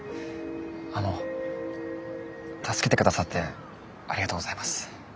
あの助けて下さってありがとうございます。